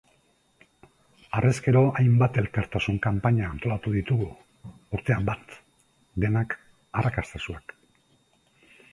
Harrezkero hainbat elkartasun kanpaina antolatu ditugu, urtean bat, denak arrakastatsuak.